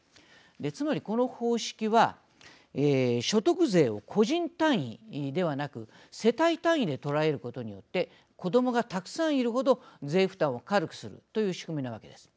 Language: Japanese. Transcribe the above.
つまり、この方式は所得税を個人単位ではなく世帯単位で捉えることによって子どもがたくさんいる程税負担を軽くするという仕組みなわけです。